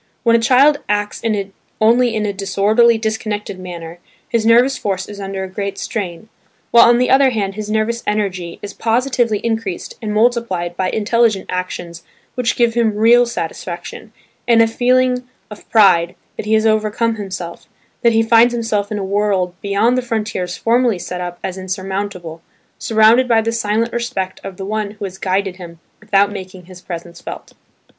When a child acts only in a disorderly, disconnected manner, his nervous force is under a great strain; while on the other hand his nervous energy is positively increased and multiplied by intelligent actions which give him real satisfaction, and a feeling of pride that he has overcome himself, that he finds himself in a world beyond the frontiers formerly set up as insurmountable, surrounded by the silent respect of the one who has guided him without making his presence felt.